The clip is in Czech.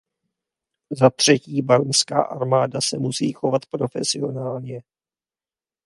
Zatřetí barmská armáda se musí chovat profesionálně.